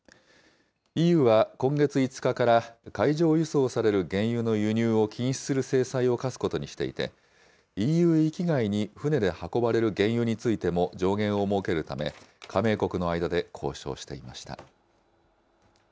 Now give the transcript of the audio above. ＥＵは今月５日から、海上輸送される原油の輸入を禁止する制裁を科すことにしていて、ＥＵ域外に船で運ばれる原油についても上限を設けるため、加盟国の間で交渉していました。